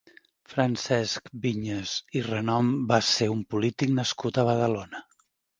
Francesc Viñas i Renom va ser un polític nascut a Badalona.